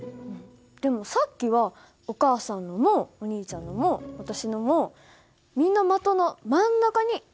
でもさっきはお母さんのもお兄ちゃんのも私のもみんな的の真ん中に当たってたよ。